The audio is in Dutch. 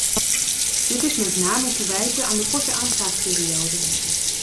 Dit is met name te wijten aan de korte aanvraagperiode.